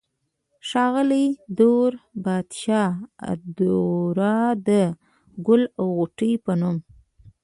ښاغلي دور بادشاه ادوار د " ګل او غوټۍ" پۀ نوم